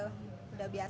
sudah biasa saja